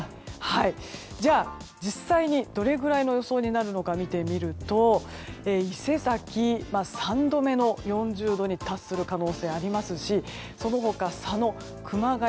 じゃあ、実際にどれぐらいの予想になるのか見てみると伊勢崎、３度目の４０度に達する可能性ありますしその他、佐野、熊谷。